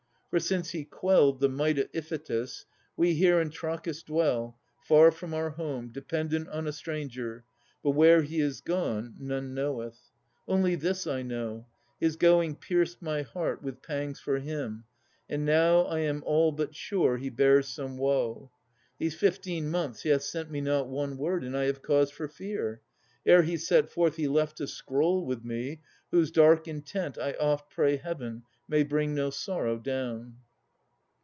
For since he quelled the might of Iphitus, We here in Trachis dwell, far from our home, Dependent on a stranger, but where he Is gone, none knoweth. Only this I know, His going pierced my heart with pangs for him, And now I am all but sure he bears some woe. These fifteen months he hath sent me not one word. And I have cause for fear. Ere he set forth He left a scroll with me, whose dark intent I oft pray Heaven may bring no sorrow down.